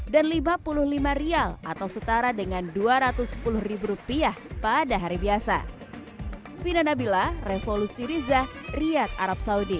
dan rp lima puluh lima atau setara dengan rp dua ratus sepuluh pada hari biasa